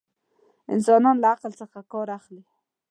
انسانان له عقل څخه ڪار اخلي.